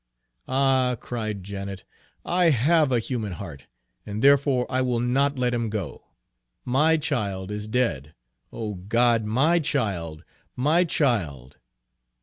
"Ah," cried Janet, "I have a human heart, and therefore I will not let him go. My child is dead O God, my child, my child!"